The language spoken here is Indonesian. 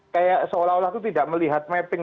kayak seolah olah itu tidak melihat mapping